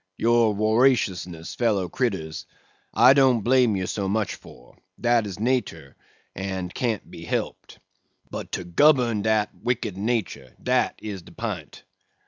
"Your woraciousness, fellow critters, I don't blame ye so much for; dat is natur, and can't be helped; but to gobern dat wicked natur, dat is de pint.